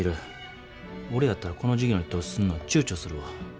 俺やったらこの事業に投資すんのちゅうちょするわ。